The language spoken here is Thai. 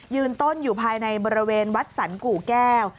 ต้นอยู่ภายในบริเวณวัดสรรกู่แก้ว